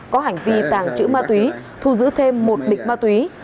có hành vi tàng trữ ma túy thu giữ thêm một bịch ma túy